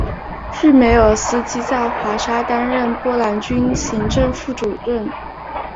日梅尔斯基在华沙担任波兰军行政副主任。